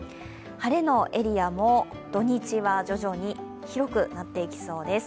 晴れのエリアも土日は徐々に広くなっていきそうです。